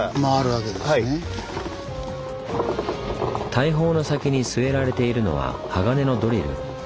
大砲の先に据えられているのは鋼のドリル。